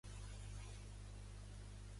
A quin llargmetratge va actuar amb Javier Bardem?